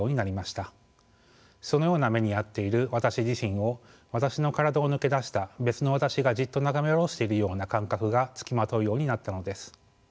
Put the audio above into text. そのような目に遭っている私自身を私の体を脱け出した別の私がじっと眺め下ろしているような感覚が付きまとうようになったのです。